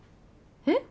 えっ？